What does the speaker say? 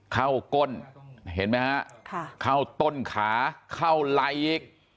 ก้นเห็นไหมฮะเข้าต้นขาเข้าไหล่อีก